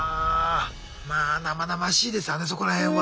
まあ生々しいですわねそこら辺は。